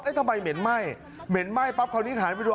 ทำไมเหม็นไหม้เหม็นไหม้ปั๊บคราวนี้ถ่ายไปดู